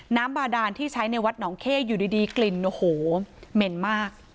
บาดานที่ใช้ในวัดหนองเข้อยู่ดีกลิ่นโอ้โหเหม็นมาก